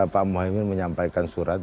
pak muhyiddin menyampaikan surat